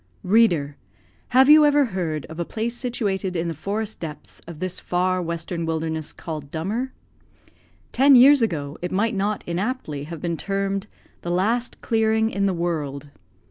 Reader! have you ever heard of a place situated in the forest depths of this far western wilderness, called Dummer? Ten years ago, it might not inaptly have been termed "The last clearing in the world."